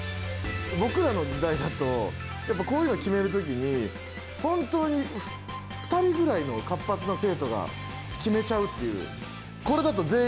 僕らの時代だとやっぱこういうの決める時に本当に２人ぐらいの活発な生徒が決めちゃうっていう。